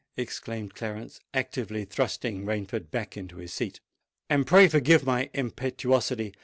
exclaimed Clarence, actually thrusting Rainford back into his seat; "and pray forgive my impetuosity.